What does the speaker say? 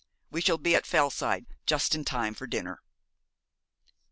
We shall be at Fellside just in time for dinner.'